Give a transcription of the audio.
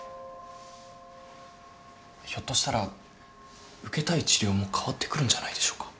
ひょっとしたら受けたい治療も変わってくるんじゃないでしょうか。